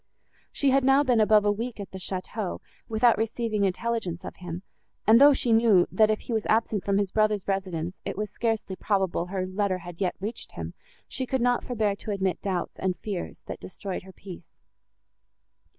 She had now been above a week at the château, without receiving intelligence of him, and, though she knew, that, if he was absent from his brother's residence, it was scarcely probable her letter had yet reached him, she could not forbear to admit doubts and fears, that destroyed her peace.